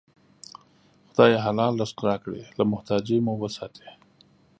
خدایه! حلال رزق راکړې، له محتاجۍ مو وساتې